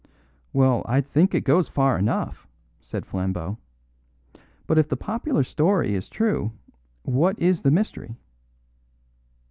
"Well, I think it goes far enough!" said Flambeau; "but if the popular story is true, what is the mystery?"